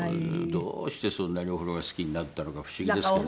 どうしてそんなにお風呂が好きになったのか不思議ですけども。